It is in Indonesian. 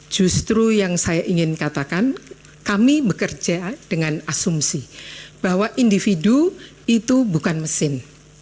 justru yang saya ingin katakan kami bekerja dengan asumsi bahwa individu itu bukan mesin